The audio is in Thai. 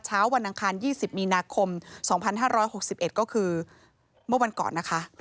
วันอังคาร๒๐มีนาคม๒๕๖๑ก็คือเมื่อวันก่อนนะคะ